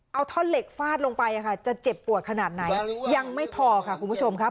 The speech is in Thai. เอาท่อนเหล็กฟาดลงไปจะเจ็บปวดขนาดไหนยังไม่พอค่ะคุณผู้ชมครับ